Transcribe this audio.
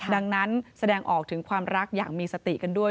ดังนั้นแสดงออกถึงความรักอย่างมีสติกันด้วย